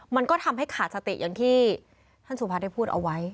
มันก็ทำให้ขาดสติอย่างที่ท่านสุพัฒน์ได้พูดเอาไว้